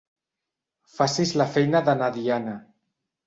Facis la feina de na Diana.